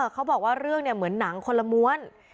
เขาบอกว่าเรื่องเหมือนหนังคนละม้วน